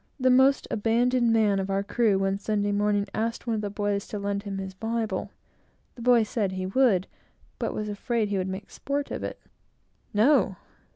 The most abandoned man of our crew, one Sunday morning, asked one of the boys to lend him his Bible. The boy said he would, but was afraid he would make sport of it. "No!"